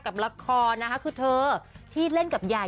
กับละครที่เล่นกับยา